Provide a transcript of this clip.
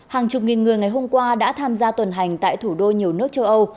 hàng chục nghìn người ngày hôm qua đã tham gia tuần hành tại thủ đô nhiều nước châu âu